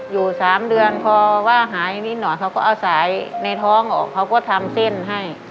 อยู่๓เดือนพอว่าหายนิดหน่อยเขาก็เอาสายในท้องออกเขาก็ทำเส้นให้